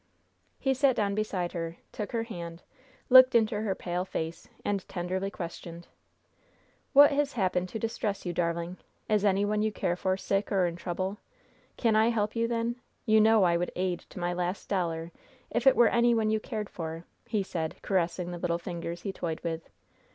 He sat down beside her, took her hand, looked into her pale face, and tenderly questioned: "What has happened to distress you, darling? Is anyone you care for sick or in trouble? Can I help you, then? You know I would aid to my last dollar if it were any one you cared for," he said, caressing the little fingers he toyed with.